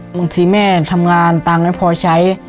บางทีแม่ทำงานตังค์ไม่พอใช้